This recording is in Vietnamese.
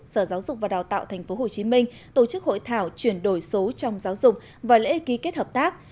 sở giáo dục và đào tạo tp hcm tổ chức hội thảo chuyển đổi số trong giáo dục và lễ ký kết hợp tác